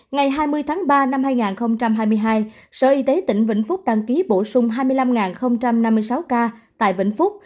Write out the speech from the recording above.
ngày hai mươi tháng ba năm hai nghìn hai mươi hai sở y tế tỉnh vĩnh phúc đăng ký bổ sung hai mươi năm năm mươi sáu ca tại vĩnh phúc